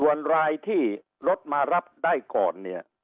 ส่วนรายที่รถมารับได้ก่อนเนี้ยส่วนรายที่รถมารับได้ก่อนเนี้ย